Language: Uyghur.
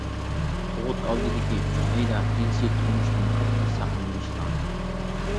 تۇغۇت ئالدىدىكى ئۈچ ئايدا جىنسىي تۇرمۇشتىن قەتئىي ساقلىنىش لازىم.